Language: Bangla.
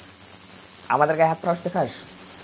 আমাদের গায়ে হাত তোলার সাহস দেখাস!